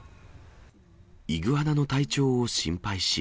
イグアナの体調を心配し。